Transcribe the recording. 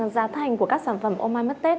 giá thành của các sản phẩm ô mai mất tết